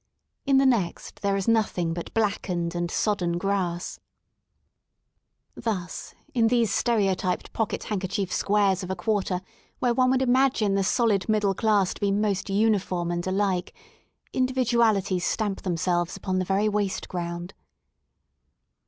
In the next there is nothing but black ened and sodden grass. Thus, in these stereotyped pocket handkerchief squares of a quarter where one would imagine the solid Middle Class to be most uniform and alike, individualities stamp themselves upon the very waste ground.